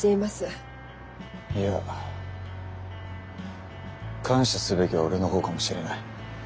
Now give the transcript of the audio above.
いや感謝すべきは俺の方かもしれない。